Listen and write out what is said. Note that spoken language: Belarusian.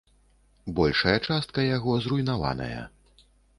Большая частка яго зруйнаваная.